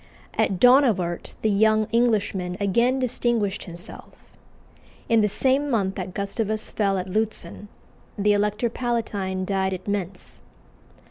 At Donauwert the young Englishman again distinguished himself. In the same month that Gustavus fell at Lutzen, the Elector Palatine died at Mentz.